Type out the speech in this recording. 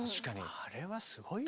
あれはすごいよね。